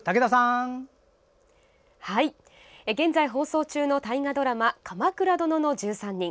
現在放送中の大河ドラマ「鎌倉殿の１３人」。